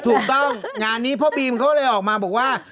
ถูกต้องงานนี้พ่อบีมเขาเลยออกมาบอกว่า